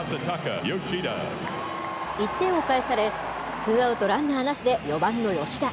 １点を返され、ツーアウトランナーなしで、４番の吉田。